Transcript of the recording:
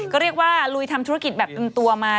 ดูหิวว่าลุยทำธุรกิจแบบอำนุมตัวมา